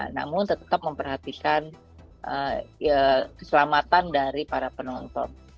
namun tetap memperhatikan keselamatan dari para penonton